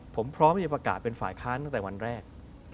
ผมพร้อมที่จะประกาศเป็นฝ่ายค้านตั้งแต่วันแรก